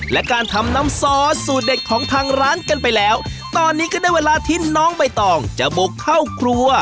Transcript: และการทำน้ำซอสสูตรเด็ดของทางร้านกันไปแล้วตอนนี้ก็ได้เวลาที่น้องใบตองจะบุกเข้าครัว